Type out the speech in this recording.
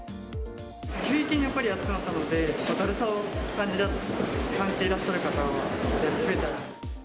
急激にやっぱり暑くなったので、だるさを感じていらっしゃる方は増えた。